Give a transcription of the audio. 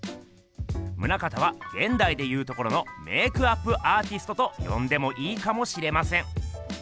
棟方はげんだいでいうところのメークアップアーティストとよんでもいいかもしれません。